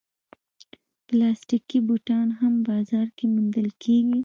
پلاستيکي بوټان هم بازار کې موندل کېږي.